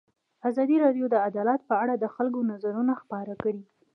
ازادي راډیو د عدالت په اړه د خلکو نظرونه خپاره کړي.